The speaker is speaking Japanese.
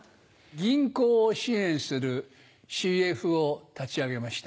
銀行を支援するＣＦを立ち上げました。